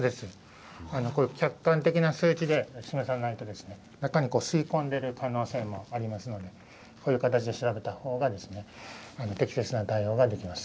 これ、客観的な数値で示さないと、中に吸いこんでる可能性もありますので、こういう形で調べたほうが、適切な対応ができます。